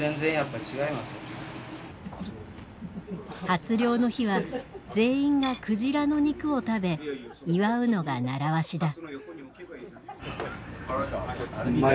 初漁の日は全員が鯨の肉を食べ祝うのが習わしだ。